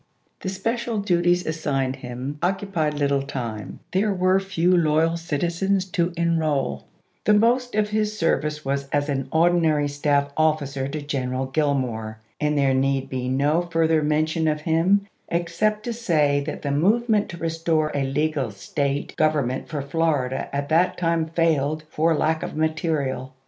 The special duties assigned him occupied little time ; there were few loyal citizens to enroll ; the most of his service was as an ordinary staff officer to General Grillmore, and there need be no further mention of him, except to say that the movement to restore a legal State government for Florida at that time failed for lack of material.